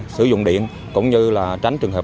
sử dụng điện cũng như là tránh trường hợp